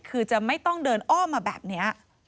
คือจะไม่ต้องเดินอ้อมมาแบบนี้